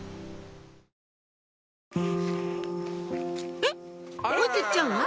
えっ置いてっちゃうの？